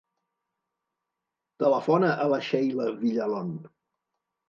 Telefona a la Sheila Villalon.